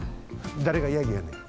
だれがヤギやねん！